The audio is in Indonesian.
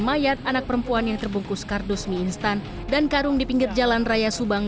mayat anak perempuan yang terbungkus kardus mie instan dan karung di pinggir jalan raya subang